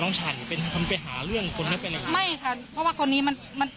แล้วมันเห็นข่าวเห็นคลิปลูกเราไหม